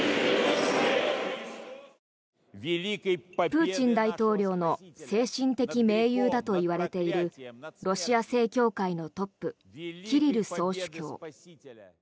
プーチン大統領の精神的盟友だといわれているロシア正教会のトップキリル総主教。